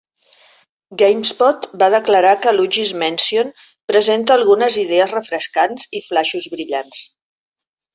GameSpot va declarar que "Luigi's Mansion" "presenta algunes idees refrescants" i "flaixos brillants.